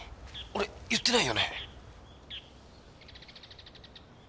俺言ってないよね？